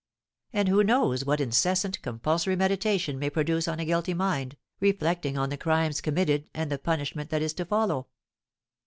And who knows what incessant, compulsory meditation may produce on a guilty mind, reflecting on the crimes committed and the punishment that is to follow?